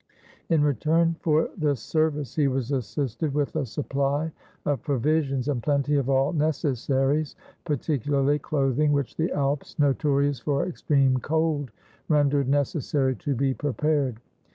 In return for this service, he was assisted with a supply of provisions, and plenty of all necessaries, particularly clothing, which the Alps, notorious for ex treme cold, rendered necessary to be prepared.